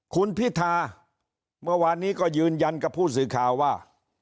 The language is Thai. คุณพิธาเมื่อวานนี้ก็ยืนยันกับผู้สื่อข่าวว่า